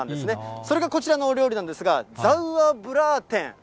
それがこちらのお料理なんですが、ザウアーブラーテン。